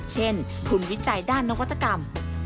เช่นทุนวิจัยด้านนวัตกรรม